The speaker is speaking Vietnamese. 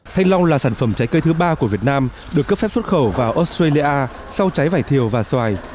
thanh long là sản phẩm trái cây thứ ba của việt nam được cấp phép xuất khẩu vào australia sau trái vải thiều và xoài